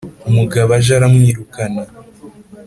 umugabo aje aramwirukana